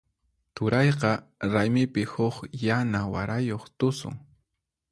Turayqa raymipi huk yana warayuq tusun.